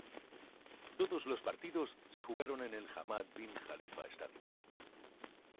Todos los partidos se jugaron en el Hamad bin Khalifa Stadium.